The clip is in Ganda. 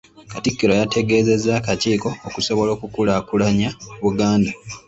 Katikkiro yategeezezza akakiiko okusobola okukulaakulanya Buganda.